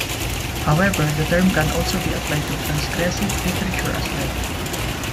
However, the term can also be applied to transgressive literature as well.